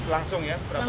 langsung ya berapa lama